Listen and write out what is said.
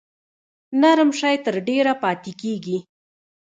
نرم شی تر ډیره پاتې کیږي.